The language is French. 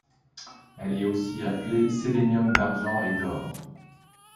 Elle est aussi appelée séléniure d'argent et d'or.